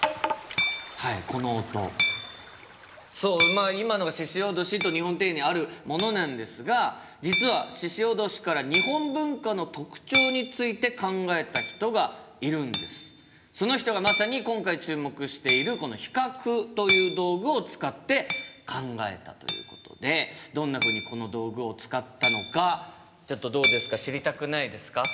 まあ今のが鹿おどしという日本庭園にあるものなんですが実はその人がまさに今回注目しているこの比較という道具を使って考えたということでどんなふうにこの道具を使ったのかちょっとどうですか知りたくないですか？